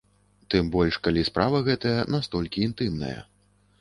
Тым больш, калі справа гэтая настолькі інтымная.